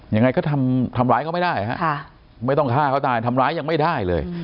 ยังไงก็ทำร้ายเขาไม่ได้ฮะไม่ต้องฆ่าเขาตายทำร้ายยังไม่ได้เลย